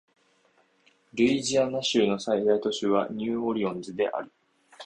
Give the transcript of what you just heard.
ルイジアナ州の最大都市はニューオーリンズである